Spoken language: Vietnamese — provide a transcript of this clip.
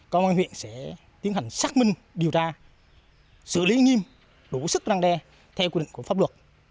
công an huyện sẽ tiến hành xác minh điều tra xử lý nghiêm đủ sức răng đe theo quy định của pháp luật